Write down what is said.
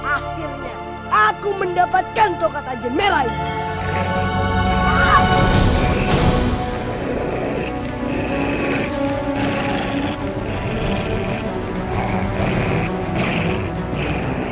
akhirnya aku mendapatkan tokat ajen merah ini